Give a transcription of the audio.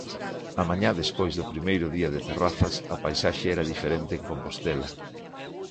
A mañá despois do primeiro día de terrazas a paisaxe era diferente en Compostela.